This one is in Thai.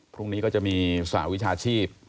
พรุ่งนี้ก็จะมีสหวิชาชีพ